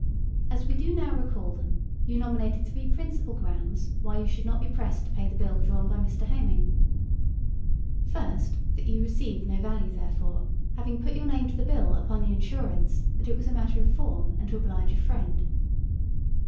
As we do now recall them, you nominated three principal grounds why you should not be pressed to pay the bill drawn by Mr. Heminge. First, that you received no value therefor, having put your name to the bill upon the assurance that it was a matter of form, and to oblige a friend.